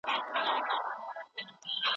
زدهکوونکي د ښوونځي قواعد رعایتوي.